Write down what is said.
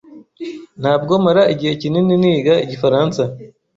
Ntabwo mara igihe kinini niga Igifaransa.